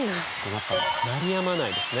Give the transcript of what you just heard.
やっぱ鳴りやまないですね